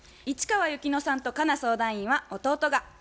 市川由紀乃さんと佳奈相談員は「弟が」